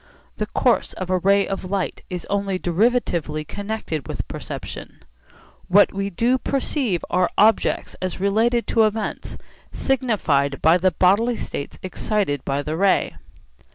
The course of a ray of light is only derivatively connected with perception. What we do perceive are objects as related to events signified by the bodily states excited by the ray.